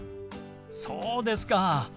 そうですか。